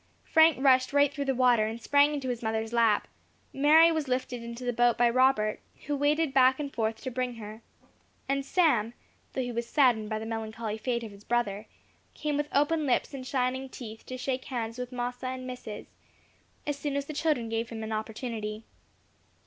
Frank rushed right through the water, and sprang into his mother's lap; Mary was lifted into the boat by Robert, who waded back and forth to bring her; and Sam, though he was saddened by the melancholy fate of his brother, came with open lips and shining teeth, to shake hands with Mossa and Missus, as soon as the children gave him an opportunity.